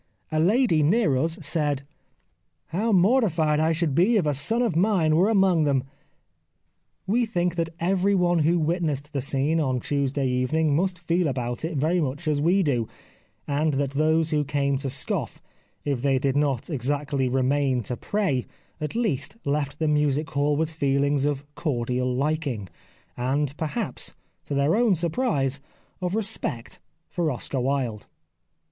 A lady near us said, ' How mortified I should be if a son of mine were among them !' We think that everyone who witnessed the scene on Tuesday evening must feel about it very much as we do, and that those who came to scoff, if they did not exactly remain to pray, at least, left the Music Hall with feehngs of cordial hking, and perhaps, to their own sur prise, of respect for Oscar Wilde."